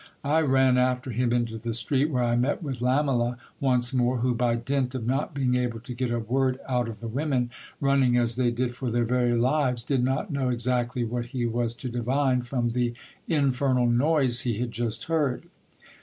I ran after him into the street, where I met with Lamela once more, who by dint of not being able to get a word out of the women, running as they did for their very lives, did not know exactly what he was to divine from the infernal noise he had just heard.